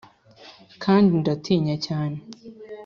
kandi, ndatinya cyane,